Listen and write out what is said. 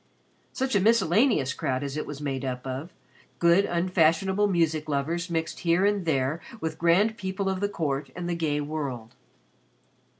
Such a miscellaneous crowd as it was made up of good unfashionable music lovers mixed here and there with grand people of the court and the gay world.